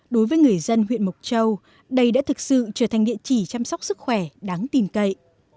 đối với người dân huyện mộc châu đây đã thực sự trở thành địa chỉ chăm sóc sức khỏe đáng tìm cậy